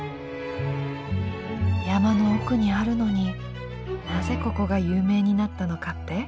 山の奥にあるのになぜここが有名になったのかって？